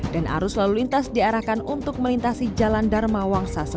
dan arus lalu lintas diarahkan untuk melintasi jalan dharma wangsa sebelas